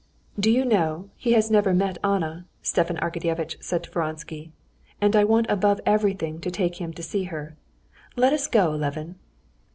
"Do you know, he has never met Anna?" Stepan Arkadyevitch said to Vronsky. "And I want above everything to take him to see her. Let us go, Levin!"